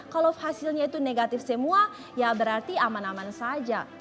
kalau hasilnya itu negatif semua ya berarti aman aman saja